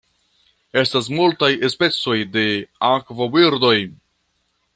Estas multaj specoj de akvobirdoj.